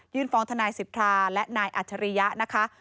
ยื่นฟ้องทนายศิษภาและนายอัชริยะนะคะ